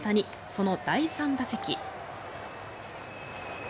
その第３打席。